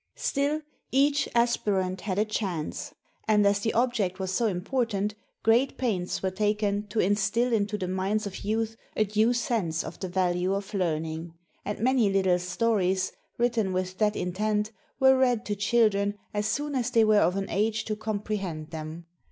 Still, each aspirant had a chance, and as the object was so impor tant, great pains were taken to instill into the minds of youth a due sense of the value of learning; and many little stories, written with that intent, were read to children as soon as they were of an age to comprehend them.